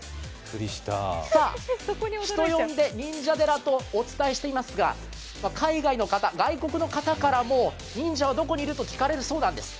さあ、人呼んで忍者寺とお伝えしていますが、海外の方、外国の方からも、忍者はどこにいる？と聞かれるそうです。